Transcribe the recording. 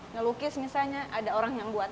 ngelukis misalnya ada orang yang buat